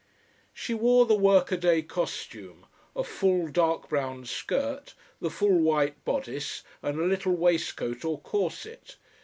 She wore the workaday costume: a full, dark brown skirt, the full white bodice, and a little waistcoat or corset.